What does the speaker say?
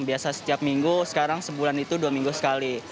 biasa setiap minggu sekarang sebulan itu dua minggu sekali